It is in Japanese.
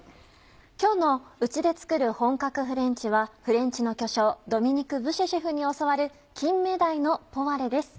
今日の「うちで作る本格フレンチ」はフレンチの巨匠ドミニク・ブシェシェフに教わる「金目鯛のポワレ」です。